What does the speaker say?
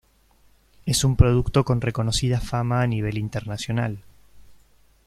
Es un producto con reconocida fama a nivel internacional.